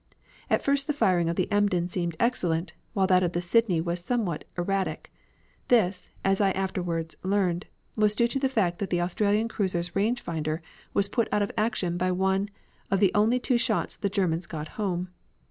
At first the firing of the Emden seemed excellent, while that of the Sydney was somewhat erratic. This, as I afterward learned, was due to the fact that the Australian cruiser's range finder was put out of action by one of the only two shots the Germans got home.